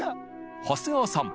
長谷川さん